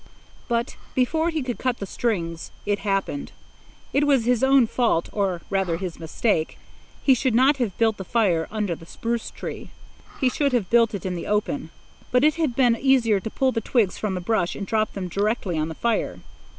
But before he could cut the strings, it happened. It was his own fault or, rather, his mistake. He should not have built the fire under the spruce tree. He should have built it in the open. But it had been easier to pull the twigs from the brush and drop them directly on the fire.